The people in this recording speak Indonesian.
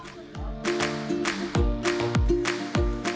terlalu asing juga